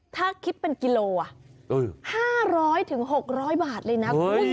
ถ้าคิดเป็นกิโล๕๐๐๖๐๐บาทเลยนะคุณ